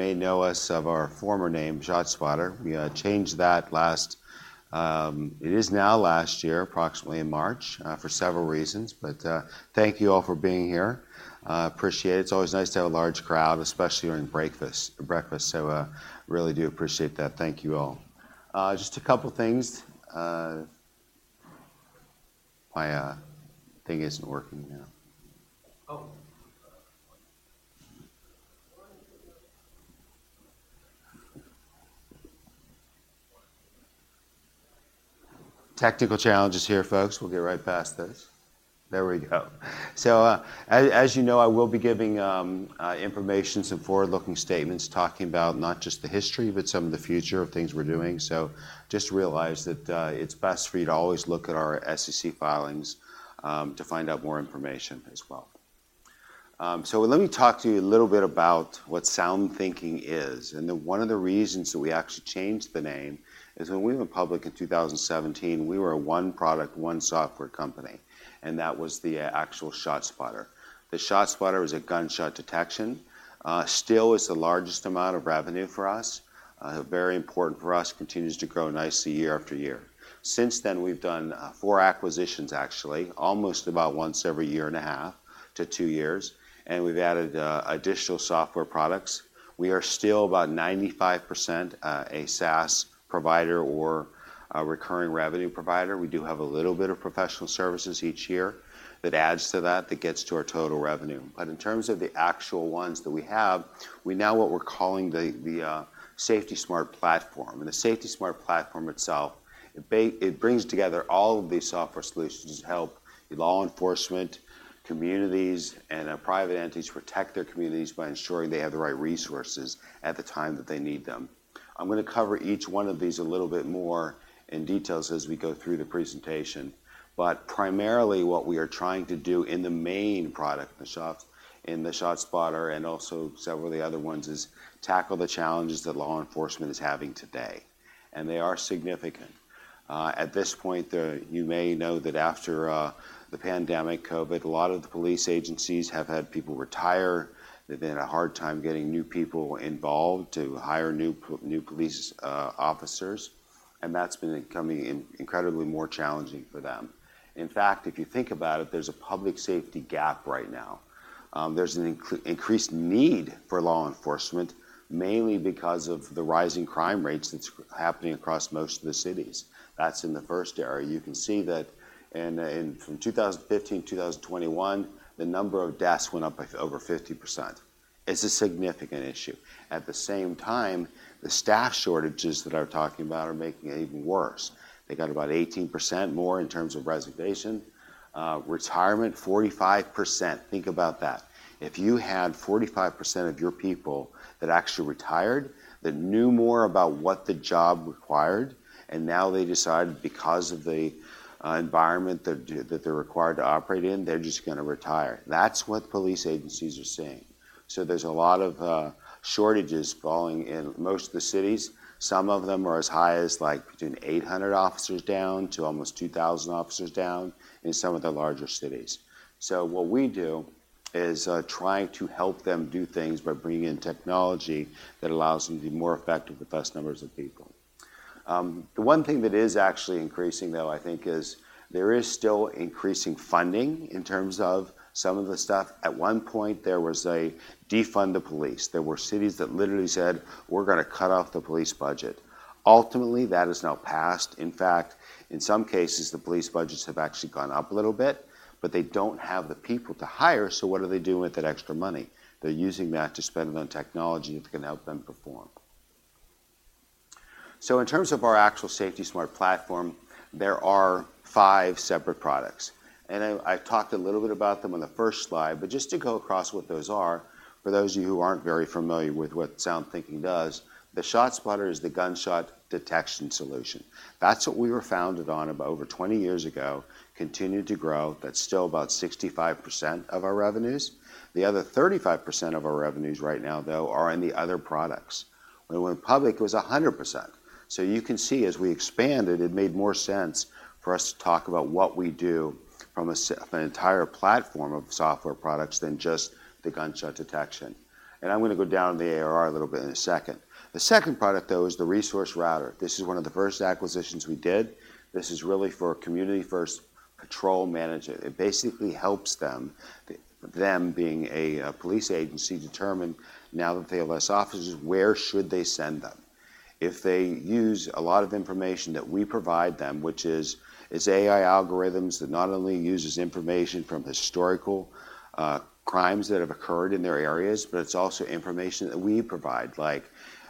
May know us by our former name, ShotSpotter. We changed that last year, approximately in March, for several reasons. But thank you all for being here. Appreciate it. It's always nice to have a large crowd, especially during breakfast. So really do appreciate that. Thank you all. Just a couple of things. My thing isn't working now. Oh. Technical challenges here, folks. We'll get right past this. There we go. So as you know, I will be giving information, some forward-looking statements, talking about not just the history, but some of the future of things we're doing. So just realize that it's best for you to always look at our SEC filings to find out more information as well. So let me talk to you a little bit about what SoundThinking is, and then one of the reasons that we actually changed the name is when we went public in 2017, we were a one-product, one-software company, and that was the actual ShotSpotter. The ShotSpotter was a gunshot detection. Still is the largest amount of revenue for us, very important for us, continues to grow nicely year after year. Since then, we've done four acquisitions, actually, almost about once every year and a half to two years, and we've added additional software products. We are still about 95%, a SaaS provider or a recurring revenue provider. We do have a little bit of professional services each year that adds to that, that gets to our total revenue. But in terms of the actual ones that we have, we now have what we're calling the SafetySmart Platform, and the SafetySmart Platform itself, it brings together all of these software solutions to help law enforcement, communities, and private entities protect their communities by ensuring they have the right resources at the time that they need them. I'm gonna cover each one of these a little bit more in details as we go through the presentation, but primarily, what we are trying to do in the main product, the ShotSpotter, and also several of the other ones, is tackle the challenges that law enforcement is having today, and they are significant. At this point, you may know that after the pandemic COVID, a lot of the police agencies have had people retire. They've been having a hard time getting new people involved to hire new police officers, and that's been becoming incredibly more challenging for them. In fact, if you think about it, there's a public safety gap right now. There's an increased need for law enforcement, mainly because of the rising crime rates that's happening across most of the cities. That's in the first area. You can see that in from 2015 to 2021, the number of deaths went up by over 50%. It's a significant issue. At the same time, the staff shortages that I'm talking about are making it even worse. They got about 18% more in terms of resignation, retirement, 45%. Think about that. If you had 45% of your people that actually retired, that knew more about what the job required, and now they decide because of the environment that they, they're required to operate in, they're just gonna retire. That's what police agencies are seeing. So there's a lot of shortages falling in most of the cities. Some of them are as high as, like, between 800 officers down to almost 2,000 officers down in some of the larger cities. So what we do is trying to help them do things by bringing in technology that allows them to be more effective with less numbers of people. The one thing that is actually increasing, though, I think, is there is still increasing funding in terms of some of the stuff. At one point, there was a defund the police. There were cities that literally said, "We're gonna cut off the police budget." Ultimately, that is now passed. In fact, in some cases, the police budgets have actually gone up a little bit, but they don't have the people to hire, so what do they do with that extra money? They're using that to spend it on technology that can help them perform. So in terms of our actual SafetySmart Platform, there are five separate products, and I, I talked a little bit about them on the first slide, but just to go across what those are, for those of you who aren't very familiar with what SoundThinking does, the ShotSpotter is the gunshot detection solution. That's what we were founded on about over 20 years ago, continued to grow. That's still about 65% of our revenues. The other 35% of our revenues right now, though, are in the other products. When we went public, it was 100%. So you can see, as we expanded, it made more sense for us to talk about what we do from a s- an entire platform of software products than just the gunshot detection. And I'm gonna go down the ARR a little bit in a second. The second product, though, is the ResourceRouter. This is one of the first acquisitions we did. This is really for community first patrol management. It basically helps them, them being a police agency, determine now that they have less officers, where should they send them? If they use a lot of information that we provide them, which is, it's AI algorithms that not only uses information from historical crimes that have occurred in their areas, but it's also information that we provide, like,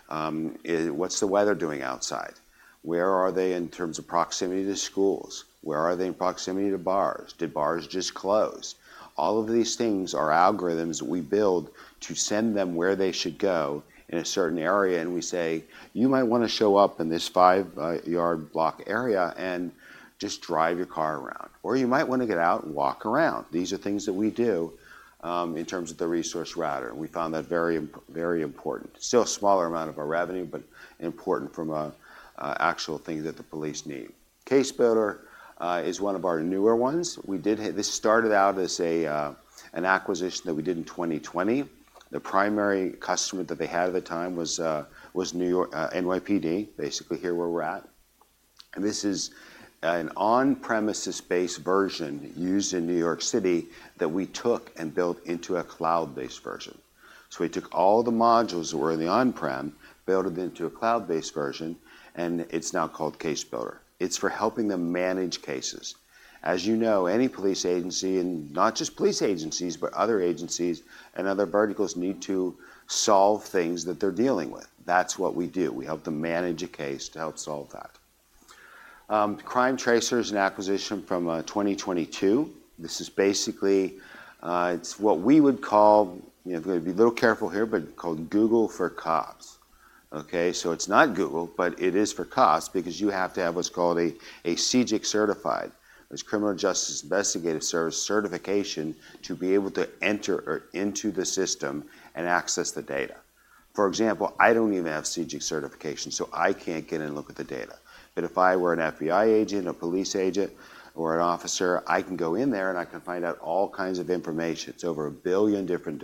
what's the weather doing outside? Where are they in terms of proximity to schools? Where are they in proximity to bars? Did bars just close? All of these things are algorithms we build to send them where they should go in a certain area, and we say, "You might wanna show up in this 5-yard block area and just drive your car around, or you might want to get out and walk around." These are things that we do, in terms of the ResourceRouter, and we found that very very important. Still a smaller amount of our revenue, but important from a actual thing that the police need. CaseBuilder is one of our newer ones. We did. This started out as an acquisition that we did in 2020. The primary customer that they had at the time was New York NYPD, basically here where we're at. This is an on-premises-based version used in New York City that we took and built into a cloud-based version. So we took all the modules that were in the on-prem, built them into a cloud-based version, and it's now called CaseBuilder. It's for helping them manage cases. As you know, any police agency, and not just police agencies, but other agencies and other verticals, need to solve things that they're dealing with. That's what we do. We help them manage a case to help solve that. CrimeTracer is an acquisition from 2022. This is basically, it's what we would call, you know, I've got to be a little careful here, but called Google for cops. Okay? So it's not Google, but it is for cops because you have to have what's called a CJIS certification. It's Criminal Justice Information Services certification to be able to enter into the system and access the data. For example, I don't even have CJIS certification, so I can't get in and look at the data. But if I were an FBI agent, a police agent, or an officer, I can go in there, and I can find out all kinds of information. It's over a billion different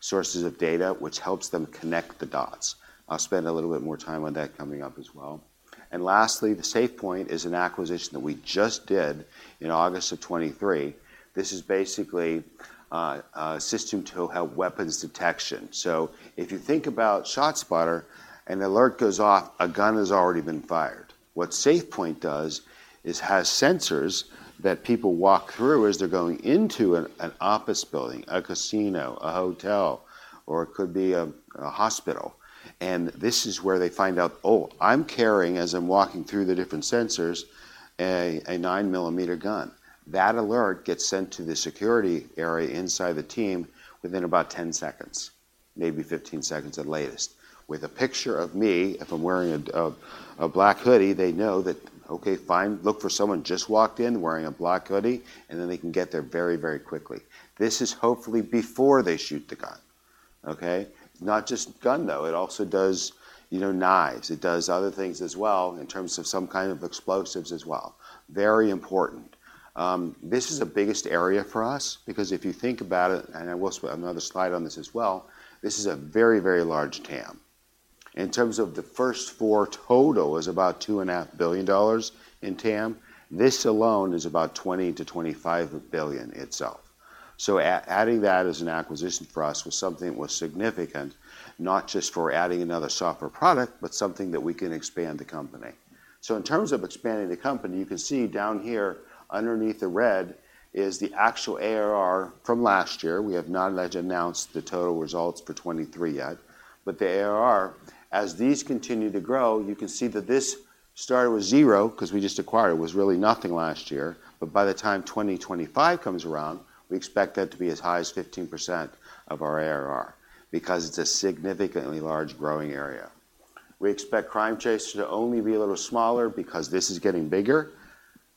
sources of data, which helps them connect the dots. I'll spend a little bit more time on that coming up as well. And lastly, the SafePointe is an acquisition that we just did in August of 2023. This is basically a system to help weapons detection. So if you think about ShotSpotter, an alert goes off, a gun has already been fired. What SafePointe does is has sensors that people walk through as they're going into an office building, a casino, a hotel, or it could be a hospital. And this is where they find out, "Oh, I'm carrying," as I'm walking through the different sensors, "a 9-millimeter gun." That alert gets sent to the security area inside the team within about 10 seconds, maybe 15 seconds at latest, with a picture of me. If I'm wearing a black hoodie, they know that, "Okay, fine. Look for someone just walked in wearing a black hoodie," and then they can get there very, very quickly. This is hopefully before they shoot the gun, okay? Not just gun, though. It also does, you know, knives. It does other things as well in terms of some kind of explosives as well. Very important. This is the biggest area for us because if you think about it, and I will show another slide on this as well, this is a very, very large TAM. In terms of the first four total is about $2.5 billion in TAM. This alone is about $20 billion-$25 billion itself. So adding that as an acquisition for us was something was significant, not just for adding another software product, but something that we can expand the company. So in terms of expanding the company, you can see down here underneath the red is the actual ARR from last year. We have not yet announced the total results for 2023 yet, but the ARR, as these continue to grow, you can see that this started with zero 'cause we just acquired. It was really nothing last year, but by the time 2025 comes around, we expect that to be as high as 15% of our ARR because it's a significantly large growing area. We expect CrimeTracer to only be a little smaller because this is getting bigger.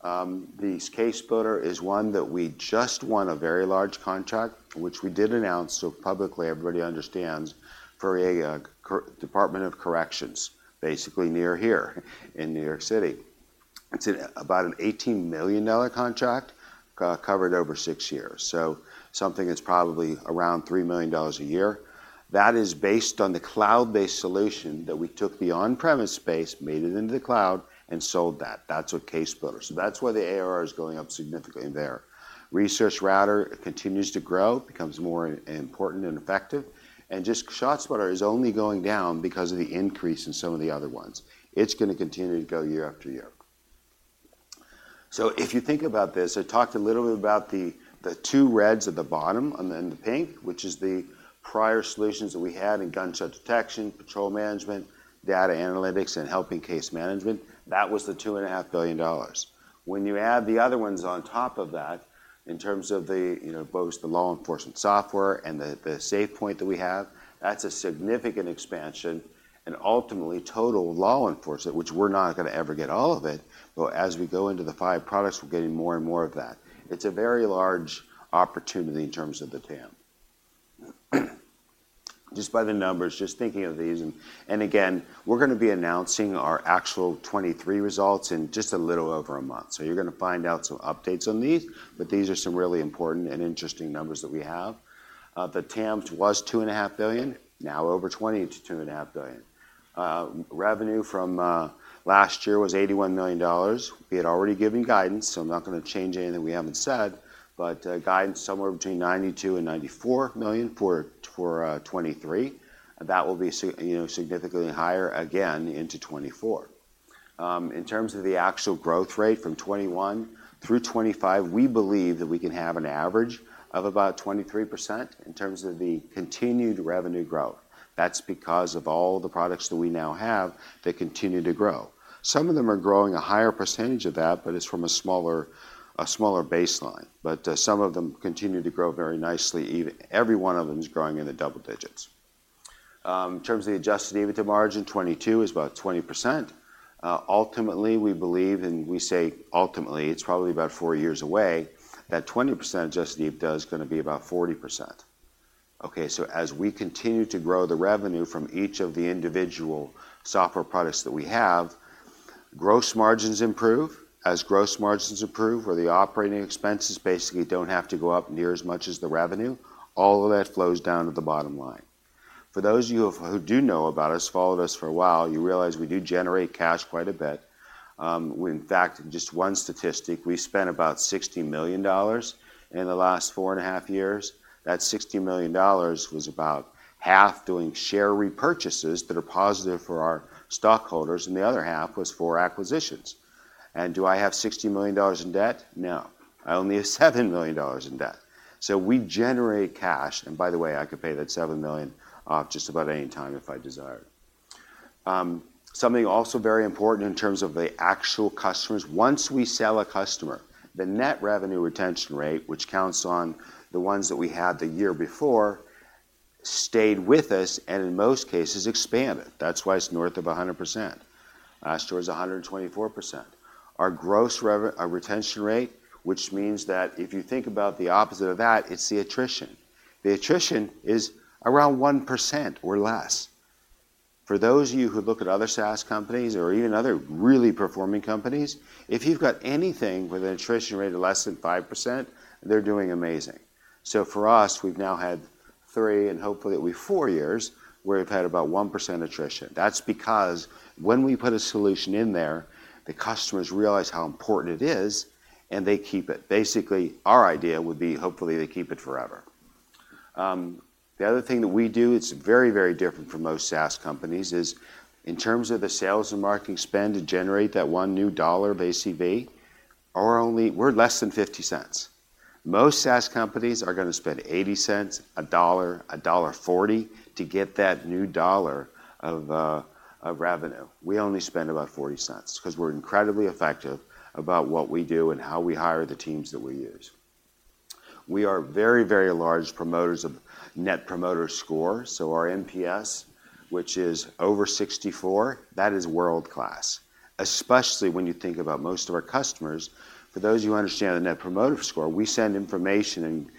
The CaseBuilder is one that we just won a very large contract, which we did announce, so publicly, everybody understands, for a Department of Corrections, basically near here in New York City. It's about an $18 million contract, covered over six years. So something that's probably around $3 million a year. That is based on the cloud-based solution that we took the on-premises space, made it into the cloud, and sold that. That's with CaseBuilder. So that's why the ARR is going up significantly there. ResourceRouter continues to grow, becomes more important and effective. And just ShotSpotter is only going down because of the increase in some of the other ones. It's gonna continue to go year after year. So if you think about this, I talked a little bit about the two reds at the bottom and then the pink, which is the prior solutions that we had in gunshot detection, patrol management, data analytics, and helping case management. That was the $2.5 billion. When you add the other ones on top of that, in terms of the, you know, both the law enforcement software and the SafePointe that we have, that's a significant expansion and ultimately total law enforcement, which we're not gonna ever get all of it, but as we go into the five products, we're getting more and more of that. It's a very large opportunity in terms of the TAM. Just by the numbers, just thinking of these, and again, we're gonna be announcing our actual 2023 results in just a little over a month. So you're gonna find out some updates on these, but these are some really important and interesting numbers that we have. The TAM was $2.5 billion, now over $20-$2.5 billion. Revenue from last year was $81 million. We had already given guidance, so I'm not gonna change anything we haven't said, but guidance somewhere between $92 million and $94 million for 2023. That will be, you know, significantly higher again into 2024. In terms of the actual growth rate from 2021 through 2025, we believe that we can have an average of about 23% in terms of the continued revenue growth. That's because of all the products that we now have that continue to grow. Some of them are growing a higher percentage of that, but it's from a smaller baseline. But some of them continue to grow very nicely. Even every one of them is growing in the double digits. In terms of the Adjusted EBITDA margin, 2022 is about 20%. Ultimately, we believe, and we say ultimately, it's probably about four years away, that 20% Adjusted EBITDA is gonna be about 40%. Okay, so as we continue to grow the revenue from each of the individual software products that we have, gross margins improve. As gross margins improve, where the operating expenses basically don't have to go up near as much as the revenue, all of that flows down to the bottom line. For those of you who do know about us, followed us for a while, you realize we do generate cash quite a bit. In fact, just one statistic, we spent about $60 million in the last four and a half years. That $60 million was about half doing share repurchases that are positive for our stockholders, and the other half was for acquisitions. Do I have $60 million in debt? No. I only have $7 million in debt. So we generate cash, and by the way, I could pay that $7 million off just about any time if I desired. Something also very important in terms of the actual customers, once we sell a customer, the net revenue retention rate, which counts on the ones that we had the year before, stayed with us, and in most cases, expanded. That's why it's north of 100%. Last year, it was 124%. Our retention rate, which means that if you think about the opposite of that, it's the attrition. The attrition is around 1% or less. For those of you who look at other SaaS companies or even other really performing companies, if you've got anything with an attrition rate of less than 5%, they're doing amazing. So for us, we've now had three, and hopefully, it'll be four years, where we've had about 1% attrition. That's because when we put a solution in there, the customers realize how important it is, and they keep it. Basically, our idea would be, hopefully, they keep it forever. The other thing that we do, it's very, very different from most SaaS companies, is in terms of the sales and marketing spend to generate that $1 of ACV; we're less than $0.50. Most SaaS companies are gonna spend $0.80, $1, $1.40 to get that new $1 of revenue. We only spend about $0.40 'cause we're incredibly effective about what we do and how we hire the teams that we use. We are very, very large promoters of Net Promoter Score, so our NPS, which is over 64, that is world-class, especially when you think about most of our customers. For those who understand the Net Promoter Score, we send information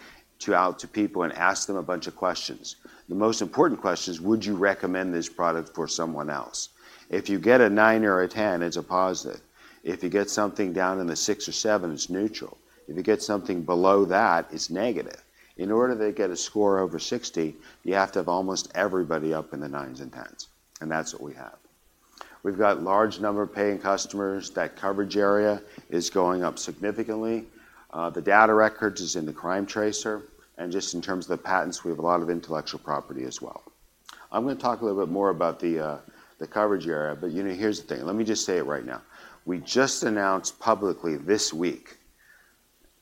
out to people and ask them a bunch of questions. The most important question is: Would you recommend this product for someone else? If you get a nine or a 10, it's a positive. If you get something down in the six or seven, it's neutral. If you get something below that, it's negative. In order to get a score over 60, you have to have almost everybody up in the nines and 10s, and that's what we have. We've got large number of paying customers. That coverage area is going up significantly. The data records is in the CrimeTracer, and just in terms of the patents, we have a lot of intellectual property as well. I'm gonna talk a little bit more about the coverage area, but, you know, here's the thing. Let me just say it right now. We just announced publicly this week,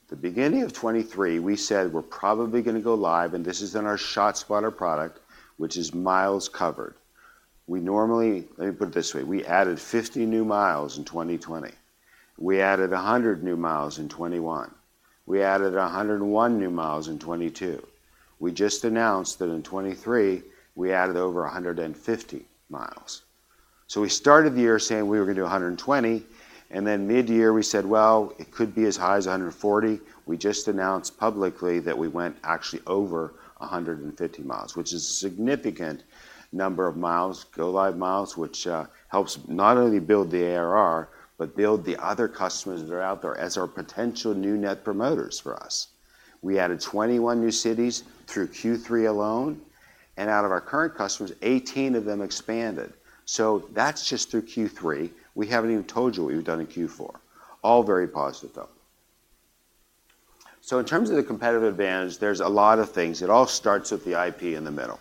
the beginning of 2023, we said we're probably gonna go live, and this is in our ShotSpotter product, which is miles covered. We normally, let me put it this way: We added 50 new miles in 2020. We added 100 new miles in 2021. We added 101 new miles in 2022. We just announced that in 2023, we added over 150 miles. So we started the year saying we were gonna do 120, and then mid-year, we said, "Well, it could be as high as 140." We just announced publicly that we went actually over 150 miles, which is a significant number of miles, go live miles, which helps not only build the ARR, but build the other customers that are out there as our potential new net promoters for us. We added 21 new cities through Q3 alone, and out of our current customers, 18 of them expanded. So that's just through Q3. We haven't even told you what we've done in Q4. All very positive, though. So in terms of the competitive advantage, there's a lot of things. It all starts with the IP in the middle.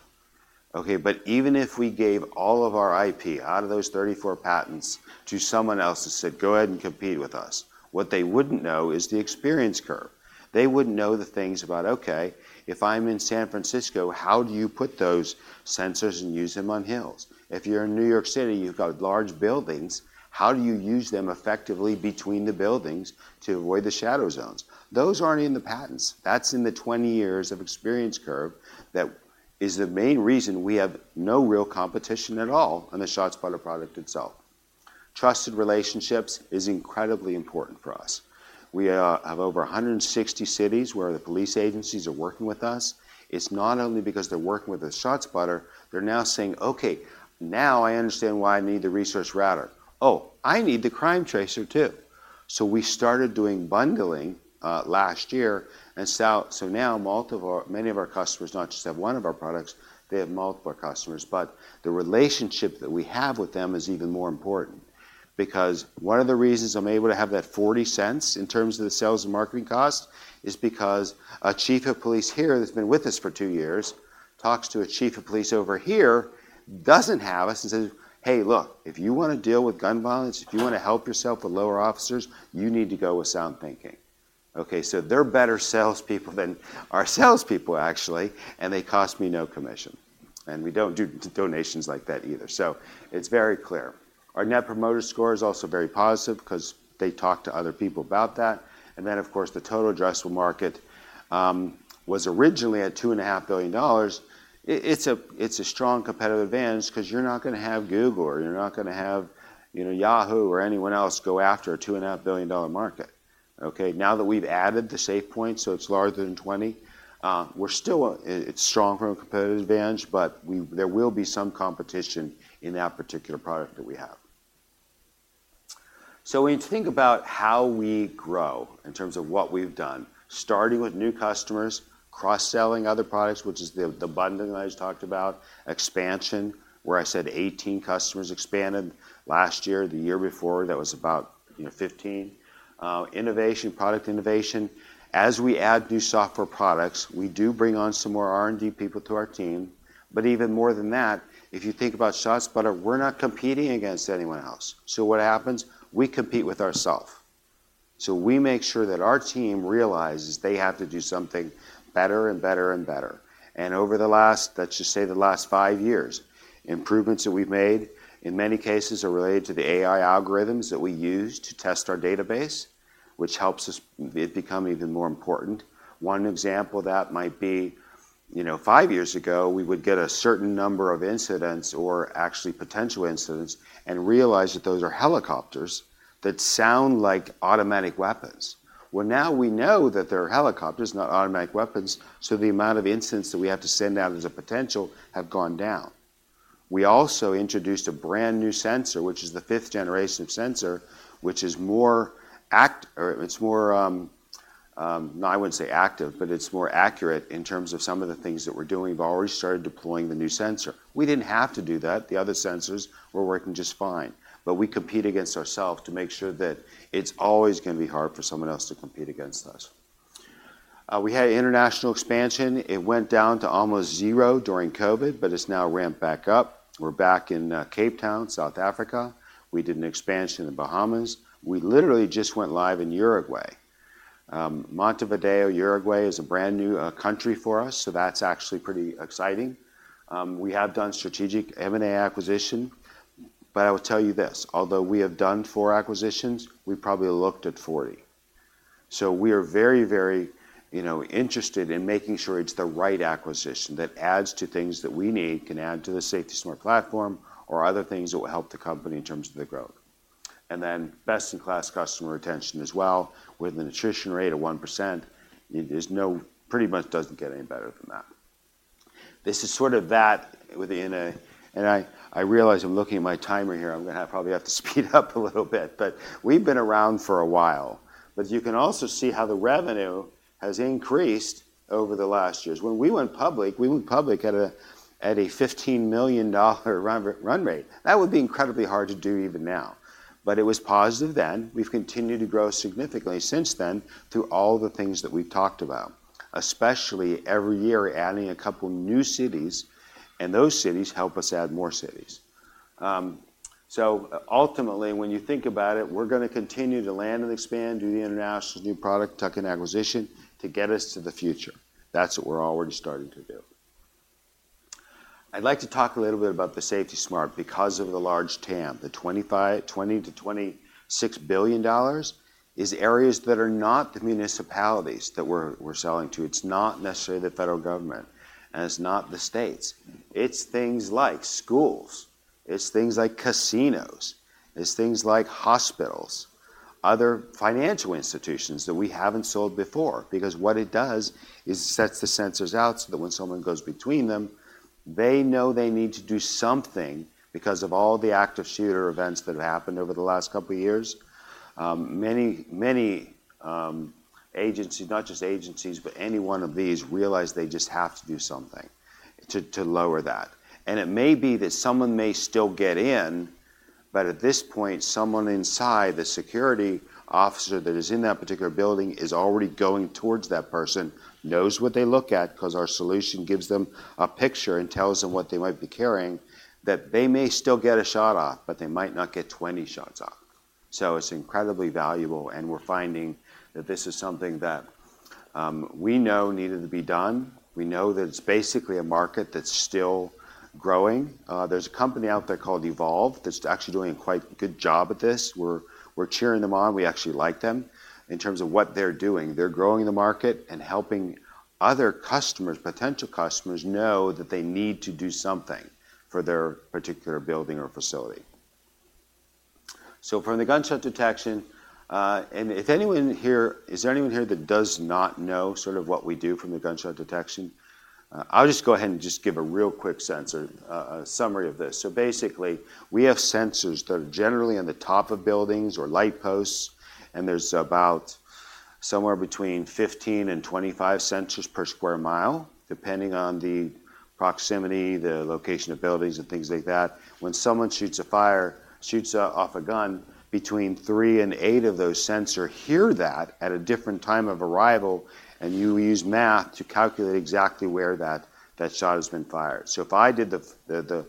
Okay, but even if we gave all of our IP out of those 34 patents to someone else and said, "Go ahead and compete with us," what they wouldn't know is the experience curve. They wouldn't know the things about, Okay, if I'm in San Francisco, how do you put those sensors and use them on hills? If you're in New York City, you've got large buildings, how do you use them effectively between the buildings to avoid the shadow zones? Those aren't in the patents. That's in the 20 years of experience curve that is the main reason we have no real competition at all on the ShotSpotter product itself. Trusted relationships is incredibly important for us. We have over a 160 cities where the police agencies are working with us. It's not only because they're working with the ShotSpotter, they're now saying, "Okay, now I understand why I need the ResourceRouter. Oh, I need the CrimeTracer, too." So we started doing bundling last year, and so now many of our customers not just have one of our products, they have multiple products. But the relationship that we have with them is even more important because one of the reasons I'm able to have that $0.40 in terms of the sales and marketing cost is because a chief of police here that's been with us for two years, talks to a chief of police over here, doesn't have us and says, "Hey, look, if you wanna deal with gun violence, if you wanna help yourself with lower officers, you need to go with SoundThinking." Okay, so they're better salespeople than our salespeople, actually, and they cost me no commission, and we don't do donations like that either. So it's very clear. Our Net Promoter Score is also very positive 'cause they talk to other people about that. And then, of course, the total addressable market was originally at $2.5 billion. It's a strong competitive advantage 'cause you're not gonna have Google, or you're not gonna have, you know, Yahoo, or anyone else go after a $2.5 billion market. Okay, now that we've added the SafePointe, so it's larger than 20, we're still, it, it's strong from a competitive advantage, but we there will be some competition in that particular product that we have. So when you think about how we grow in terms of what we've done, starting with new customers, cross-selling other products, which is the bundling I just talked about, expansion, where I said 18 customers expanded last year. The year before, that was about, you know, 15. Innovation, product innovation. As we add new software products, we do bring on some more R&D people to our team. But even more than that, if you think about ShotSpotter, we're not competing against anyone else. So what happens? We compete with ourself. So we make sure that our team realizes they have to do something better and better and better. And over the last, let's just say the last five years, improvements that we've made in many cases are related to the AI algorithms that we use to test our database, which helps us, it become even more important. One example of that might be, you know, five years ago, we would get a certain number of incidents or actually potential incidents and realize that those are helicopters that sound like automatic weapons. Well, now we know that they're helicopters, not automatic weapons, so the amount of incidents that we have to send out as a potential have gone down. We also introduced a brand-new sensor, which is the fifth generation sensor, which is more. I wouldn't say active, but it's more accurate in terms of some of the things that we're doing. We've already started deploying the new sensor. We didn't have to do that. The other sensors were working just fine, but we compete against ourself to make sure that it's always gonna be hard for someone else to compete against us. We had international expansion. It went down to almost zero during COVID, but it's now ramped back up. We're back in Cape Town, South Africa. We did an expansion in the Bahamas. We literally just went live in Uruguay. Montevideo, Uruguay, is a brand-new country for us, so that's actually pretty exciting. We have done strategic M&A acquisition, but I will tell you this, although we have done four acquisitions, we probably looked at 40. So we are very, very, you know, interested in making sure it's the right acquisition that adds to things that we need, can add to the SafetySmart Platform or other things that will help the company in terms of the growth. And then best-in-class customer retention as well, with an attrition rate of 1%, it, there's no—pretty much doesn't get any better than that. This is sort of that within a, and I realize I'm looking at my timer here. I'm gonna have, probably have to speed up a little bit, but we've been around for a while. But you can also see how the revenue has increased over the last years. When we went public, we went public at a $15 million run rate. That would be incredibly hard to do even now, but it was positive then. We've continued to grow significantly since then through all the things that we've talked about, especially every year, adding a couple new cities, and those cities help us add more cities. So ultimately, when you think about it, we're gonna continue to land and expand, do the international new product, tuck in acquisition to get us to the future. That's what we're already starting to do. I'd like to talk a little bit about the SafetySmart because of the large TAM. The $20 billion-$26 billion is areas that are not the municipalities that we're selling to. It's not necessarily the federal government, and it's not the states. It's things like schools, it's things like casinos, it's things like hospitals, other financial institutions that we haven't sold before, because what it does is sets the sensors out so that when someone goes between them, they know they need to do something because of all the active shooter events that have happened over the last couple of years. Many, many agencies, not just agencies, but any one of these realize they just have to do something to lower that. And it may be that someone may still get in, but at this point, someone inside, the security officer that is in that particular building, is already going towards that person, knows what they look at, 'cause our solution gives them a picture and tells them what they might be carrying, that they may still get a shot off, but they might not get 20 shots off. So it's incredibly valuable, and we're finding that this is something that we know needed to be done. We know that it's basically a market that's still growing. There's a company out there called Evolv that's actually doing a quite good job at this. We're, we're cheering them on. We actually like them in terms of what they're doing. They're growing the market and helping other customers, potential customers, know that they need to do something for their particular building or facility. So from the gunshot detection, and if anyone here. Is there anyone here that does not know sort of what we do from the gunshot detection? I'll just go ahead and just give a real quick sense or a summary of this. So basically, we have sensors that are generally on the top of buildings or light posts, and there's about somewhere between 15 and 25 sensors per square mile, depending on the proximity, the location of buildings, and things like that. When someone shoots a fire, shoots off a gun, between three and eight of those sensor hear that at a different time of arrival, and you use math to calculate exactly where that shot has been fired. So if I did the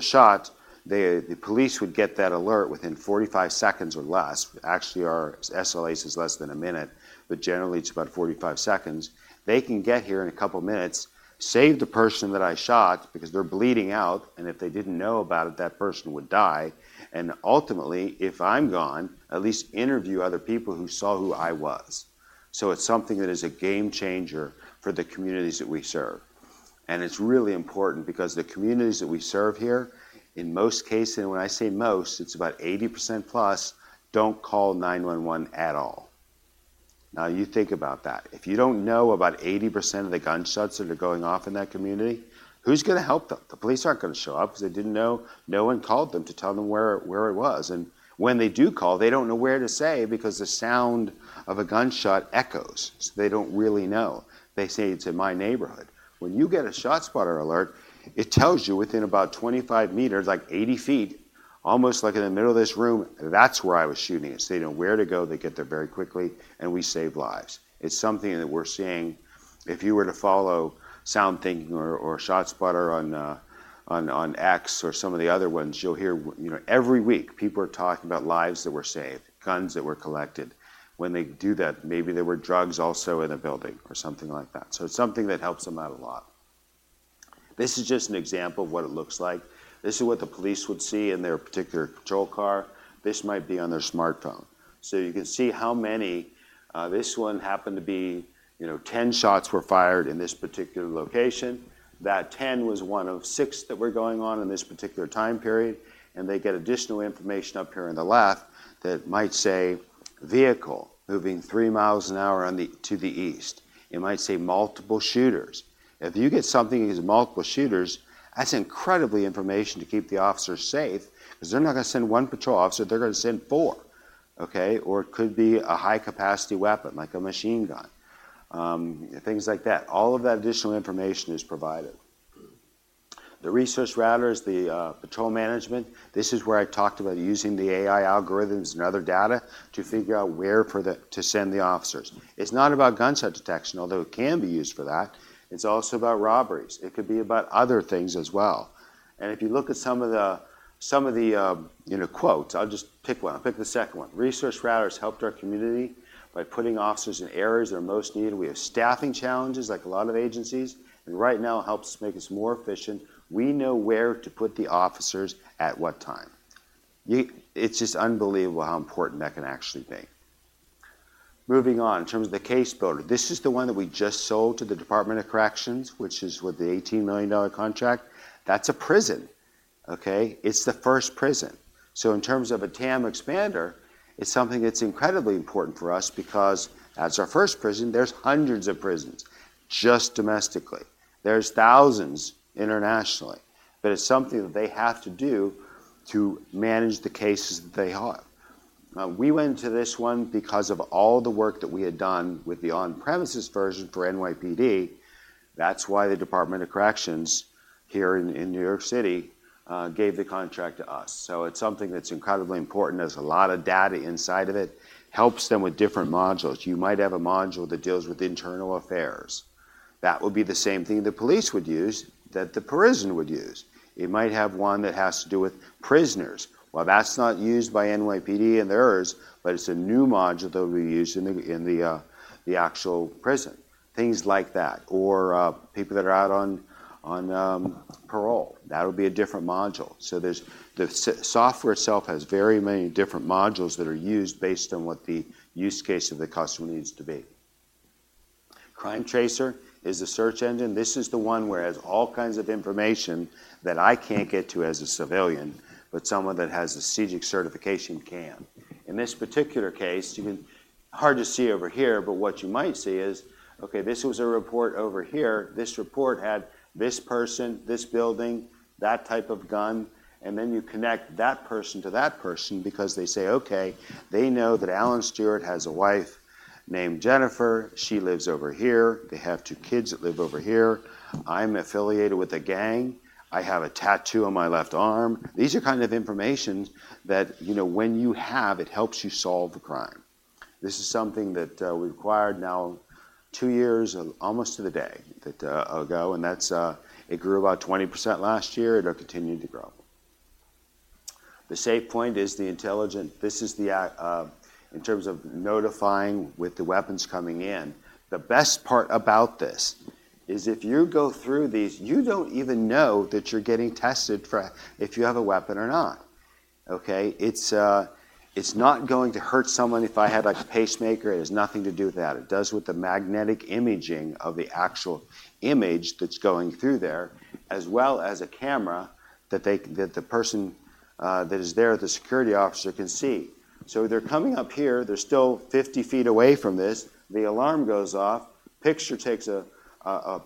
shot, the police would get that alert within 45 seconds or less. Actually, our SLA is less than a minute, but generally, it's about 45 seconds. They can get here in a couple of minutes, save the person that I shot because they're bleeding out, and if they didn't know about it, that person would die. Ultimately, if I'm gone, at least interview other people who saw who I was. So it's something that is a game changer for the communities that we serve. It's really important because the communities that we serve here, in most cases, and when I say most, it's about 80% plus, don't call 911 at all. Now, you think about that. If you don't know about 80% of the gunshots that are going off in that community, who's gonna help them? The police aren't gonna show up because they didn't know. No one called them to tell them where it was, and when they do call, they don't know where to say, because the sound of a gunshot echoes, so they don't really know. They say, "It's in my neighborhood." When you get a ShotSpotter alert, it tells you within about 25 meters, like 80 feet, almost like in the middle of this room, that's where I was shooting. So they know where to go, they get there very quickly, and we save lives. It's something that we're seeing. If you were to follow SoundThinking or, or ShotSpotter on, on, on X or some of the other ones, you'll hear, you know, every week, people are talking about lives that were saved, guns that were collected. When they do that, maybe there were drugs also in the building or something like that. So it's something that helps them out a lot. This is just an example of what it looks like. This is what the police would see in their particular patrol car. This might be on their smartphone. So you can see how many, this one happened to be, you know, 10 shots were fired in this particular location. That 10 was one of six that were going on in this particular time period, and they get additional information up here on the left that might say, "Vehicle moving 3 miles an hour on the, to the east." It might say, "Multiple shooters." If you get something as multiple shooters, that's incredibly information to keep the officer safe, 'cause they're not gonna send one patrol officer, they're gonna send four. Okay? Or it could be a high-capacity weapon, like a machine gun, things like that. All of that additional information is provided. The ResourceRouter is the patrol management. This is where I talked about using the AI algorithms and other data to figure out where for the, to send the officers. It's not about gunshot detection, although it can be used for that. It's also about robberies. It could be about other things as well. And if you look at some of the, some of the, you know, quotes, I'll just pick one. I'll pick the second one. "ResourceRouter has helped our community by putting officers in areas that are most needed. We have staffing challenges, like a lot of agencies, and right now, it helps make us more efficient. We know where to put the officers at what time." It's just unbelievable how important that can actually be. Moving on, in terms of the CaseBuilder, this is the one that we just sold to the Department of Corrections, which is worth the $18 million contract. That's a prison, okay? It's the first prison. So in terms of a TAM expander, it's something that's incredibly important for us because that's our first prison. There's hundreds of prisons, just domestically. There's thousands internationally, but it's something that they have to do to manage the cases that they have. We went to this one because of all the work that we had done with the on-premises version for NYPD. That's why the Department of Corrections here in New York City gave the contract to us. So it's something that's incredibly important. There's a lot of data inside of it. Helps them with different modules. You might have a module that deals with internal affairs. That would be the same thing the police would use, that the prison would use. It might have one that has to do with prisoners. Well, that's not used by NYPD and theirs, but it's a new module that will be used in the actual prison, things like that, or people that are out on parole. That would be a different module. So there's the software itself has very many different modules that are used based on what the use case of the customer needs to be. CrimeTracer is a search engine. This is the one where it has all kinds of information that I can't get to as a civilian, but someone that has a CJIS certification can. In this particular case, you can. Hard to see over here, but what you might see is, okay, this was a report over here. This report had this person, this building, that type of gun, and then you connect that person to that person because they say, "Okay, they know that Alan Stewart has a wife named Jennifer. She lives over here. They have two kids that live over here. I'm affiliated with a gang. I have a tattoo on my left arm." These are kind of information that, you know, when you have, it helps you solve the crime. This is something that, we acquired now two years, almost to the day, that, ago, and that's, it grew about 20% last year, and it continued to grow. The SafePointe is the intelligent this is the, in terms of notifying with the weapons coming in. The best part about this is if you go through these, you don't even know that you're getting tested for, if you have a weapon or not, okay? It's, it's not going to hurt someone if I had, like, a pacemaker. It has nothing to do with that. It does with the magnetic imaging of the actual image that's going through there, as well as a camera that they, that the person, that is there, the security officer, can see. So they're coming up here, they're still 50 feet away from this. The alarm goes off, picture takes a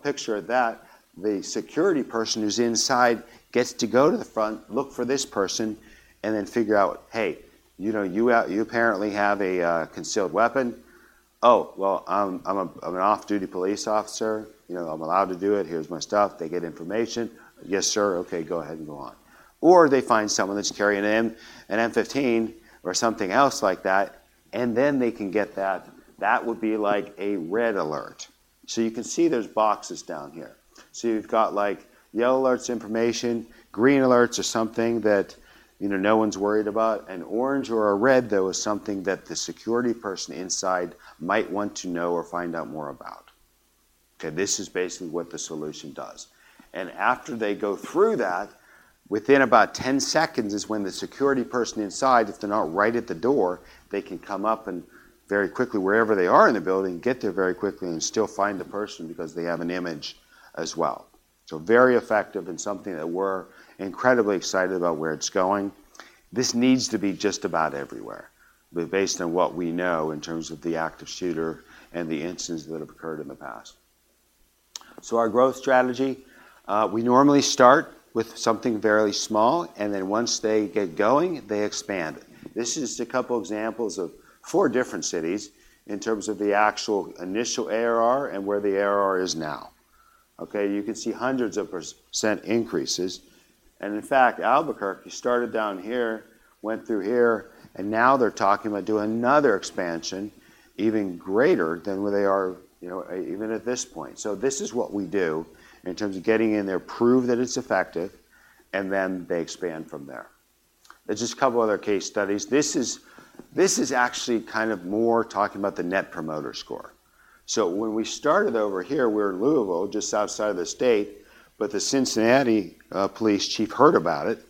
picture of that. The security person who's inside gets to go to the front, look for this person, and then figure out, "Hey, you know, you apparently have a concealed weapon." "Oh, well, I'm an off-duty police officer. You know, I'm allowed to do it. Here's my stuff." They get information. "Yes, sir. Okay, go ahead and go on." Or they find someone that's carrying an M, an M15 or something else like that, and then they can get that. That would be like a red alert. So you can see there's boxes down here. So you've got, like, yellow alerts, information, green alerts are something that, you know, no one's worried about. An orange or a red, though, is something that the security person inside might want to know or find out more about. Okay, this is basically what the solution does. And after they go through that, within about 10 seconds is when the security person inside, if they're not right at the door, they can come up and very quickly, wherever they are in the building, get there very quickly and still find the person because they have an image as well. So very effective and something that we're incredibly excited about where it's going. This needs to be just about everywhere, based on what we know in terms of the active shooter and the instances that have occurred in the past. So our growth strategy, we normally start with something very small, and then once they get going, they expand. This is just a couple examples of four different cities in terms of the actual initial ARR and where the ARR is now. Okay, you can see hundreds of % increases, and in fact, Albuquerque started down here, went through here, and now they're talking about doing another expansion even greater than where they are, you know, even at this point. So this is what we do in terms of getting in there, prove that it's effective, and then they expand from there. There's just a couple other case studies. This is, this is actually kind of more talking about the Net Promoter Score. So when we started over here, we were in Louisville, just outside of the state, but the Cincinnati police chief heard about it,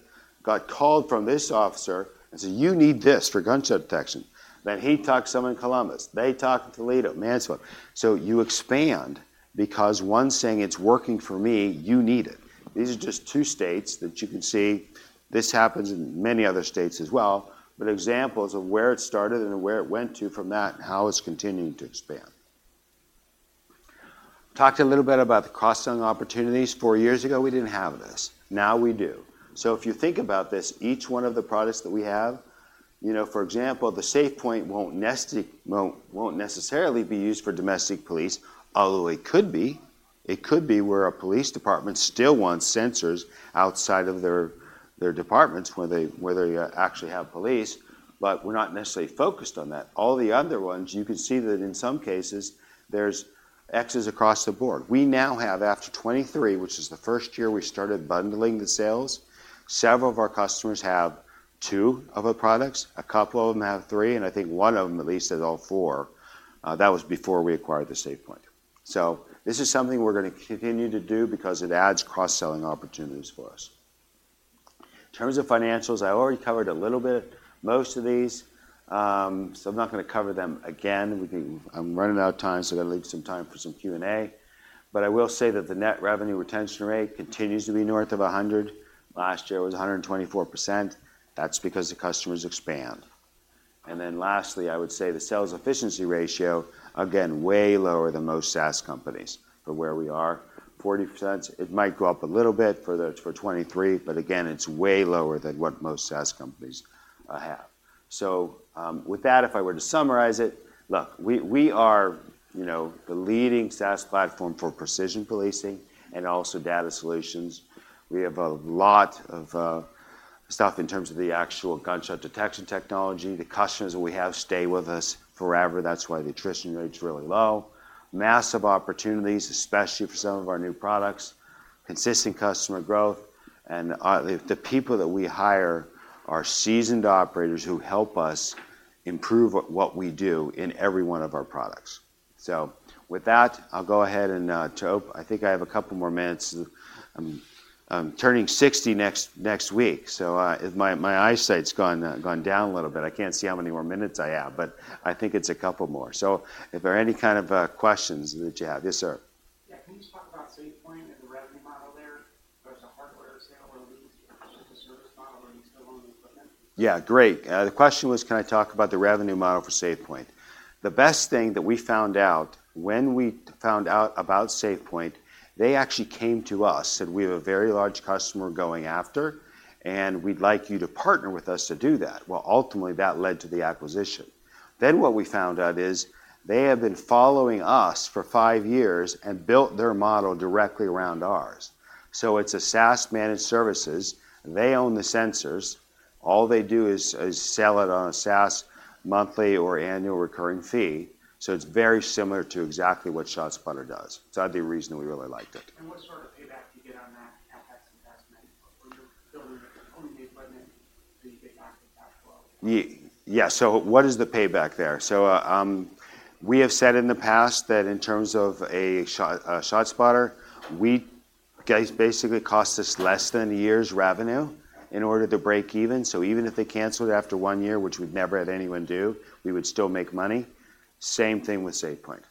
got called from this officer, and said, "You need this for gunshot detection." Then he talked to someone in Columbus. They talked to Toledo, Mansfield. So you expand because one's saying, "It's working for me, you need it." These are just two states that you can see. This happens in many other states as well, but examples of where it started and where it went to from that and how it's continuing to expand. Talked a little bit about the cross-selling opportunities. Four years ago, we didn't have this. Now we do. So if you think about this, each one of the products that we have, you know, for example, the SafePointe won't necessarily be used for domestic police, although it could be. It could be where a police department still wants sensors outside of their departments, where they actually have police, but we're not necessarily focused on that. All the other ones, you can see that in some cases there's X's across the board. We now have, after 2023, which is the first year we started bundling the sales, several of our customers have two of our products, a couple of them have three, and I think one of them, at least, has all four. That was before we acquired the SafePointe. So this is something we're gonna continue to do because it adds cross-selling opportunities for us. In terms of financials, I already covered a little bit, most of these, so I'm not gonna cover them again. We can. I'm running out of time, so I gotta leave some time for some Q and A. But I will say that the net revenue retention rate continues to be north of 100. Last year, it was 124%. That's because the customers expand. And then lastly, I would say the sales efficiency ratio, again, way lower than most SaaS companies. But where we are, 40%, it might go up a little bit for the, for 2023, but again, it's way lower than what most SaaS companies have. So, with that, if I were to summarize it, look, we, we are, you know, the leading SaaS platform for precision policing and also data solutions. We have a lot of stuff in terms of the actual gunshot detection technology. The customers that we have stay with us forever. That's why the attrition rate is really low. Massive opportunities, especially for some of our new products, consistent customer growth, and, the, the people that we hire are seasoned operators who help us improve what we do in every one of our products. So with that, I'll go ahead and I think I have a couple more minutes. I'm turning 60 next week, so my eyesight's gone down a little bit. I can't see how many more minutes I have, but I think it's a couple more. So if there are any kind of questions that you have. Yes, sir. Yeah, can you just talk about SafePointe and the revenue model there? There's a hardware sale or lease, just a service model, or are you still on the equipment? Yeah, great. The question was, can I talk about the revenue model for SafePointe? The best thing that we found out when we found out about SafePointe, they actually came to us, said, "We have a very large customer we're going after, and we'd like you to partner with us to do that." Well, ultimately, that led to the acquisition. Then what we found out is they have been following us for five years and built their model directly around ours. So it's a SaaS-managed services. They own the sensors. All they do is, is sell it on a SaaS monthly or annual recurring fee, so it's very similar to exactly what ShotSpotter does. So that'd be the reason we really liked it. What sort of payback do you get on that CapEx investment when you're building, owning the equipment, so you get back the cash flow? Yeah, so what is the payback there? So, we have said in the past that in terms of a ShotSpotter, guys, basically costs us less than a year's revenue in order to break even. So even if they canceled after one year, which we've never had anyone do, we would still make money. Same thing with SafePointe.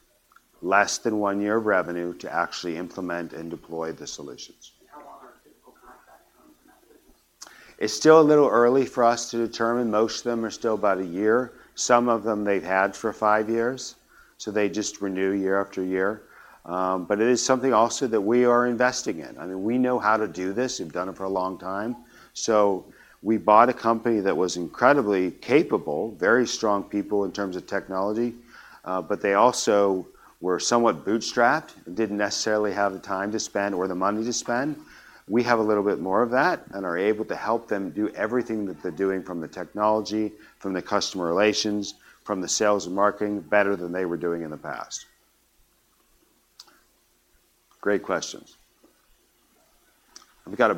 Less than one year of revenue to actually implement and deploy the solutions. How long are typical contract terms in that business? It's still a little early for us to determine. Most of them are still about a year. Some of them they've had for five years, so they just renew year after year. But it is something also that we are investing in. I mean, we know how to do this. We've done it for a long time. So we bought a company that was incredibly capable, very strong people in terms of technology, but they also were somewhat bootstrapped, didn't necessarily have the time to spend or the money to spend. We have a little bit more of that and are able to help them do everything that they're doing from the technology, from the customer relations, from the sales and marketing, better than they were doing in the past. Great questions. We got about-